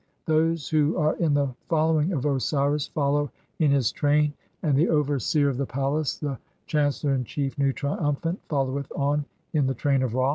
Those who "are in the following of Osiris follow in his train, and the over "seer of the palace, the chancellor in chief, Nu, triumphant, (5) "followeth on in the train of Ra.